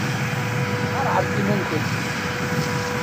Qarɛemt iman-nkent.